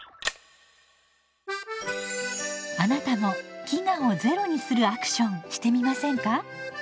あなたも飢餓をゼロにするアクションしてみませんか？